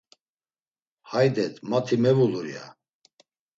Haydet mati mevulur, ya.